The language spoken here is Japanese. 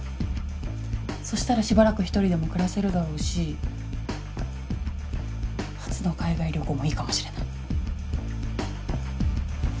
そしたらしばらく１人でも暮らせるだろうし初の海外旅行もいいかもしれない。